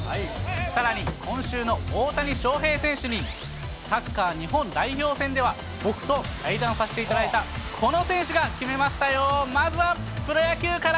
さらに今週の大谷翔平選手に、サッカー日本代表戦では、僕と対談させていただいたこの選手が決めましたよ。